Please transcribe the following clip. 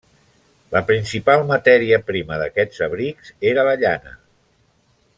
La principal matèria primera d'aquests abrics era la llana.